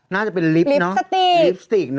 น่าจะเป็นลิปสติก